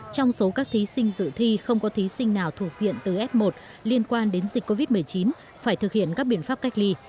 trong số các thí sinh dự thi không có thí sinh nào thuộc diện từ f một liên quan đến dịch covid một mươi chín phải thực hiện các biện pháp cách ly